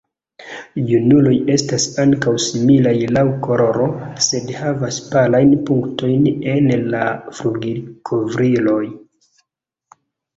Junuloj estas ankaŭ similaj laŭ koloro, sed havas palajn punktojn en la flugilkovriloj.